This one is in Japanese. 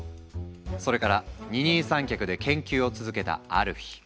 それから二人三脚で研究を続けたある日。